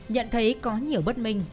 nhận thấy có nhiều bất minh